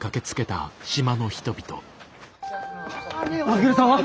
健さんは？